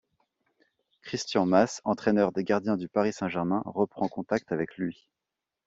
Christian Mas, entraîneur des gardiens du Paris Saint-Germain, reprend contact avec lui.